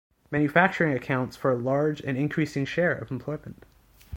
Manufacturing accounts for a large and increasing share of employment.